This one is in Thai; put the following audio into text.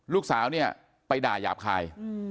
ลูกสาวเนี่ยไปด่ายาบคาย